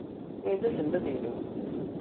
Win d aselmad-inu.